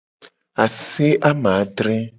Ase amadre.